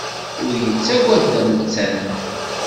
Ur yettagad tamettant.